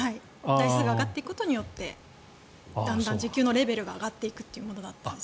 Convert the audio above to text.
台数が上がっていくことによってだんだん時給のレベルが上がっていくものだったんです。